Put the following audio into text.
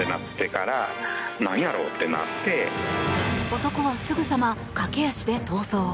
男はすぐさま駆け足で逃走。